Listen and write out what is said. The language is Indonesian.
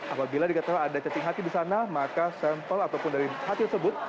apabila dikatakan ada cacing hati di sana maka sampel ataupun dari hati tersebut